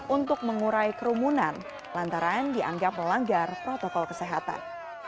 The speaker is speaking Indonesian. untuk mengurai kerumunan lantaran dianggap melanggar protokol kesehatan